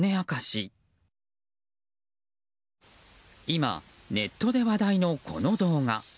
今、ネットで話題のこの動画。